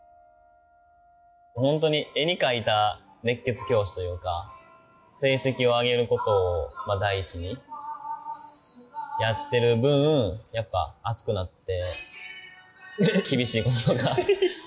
本当に絵に描いた熱血教師というか成績を上げることを第一にやってる分やっぱ熱くなって。